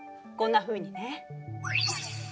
こんなふうにね。